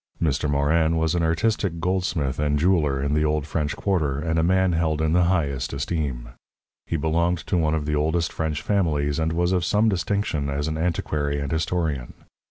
Mr. Morin was an artistic goldsmith and jeweller in the old French Quarter, and a man held in the highest esteem. He belonged to one of the oldest French families, and was of some distinction as an antiquary and historian.